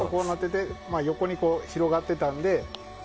横に広がっていたので。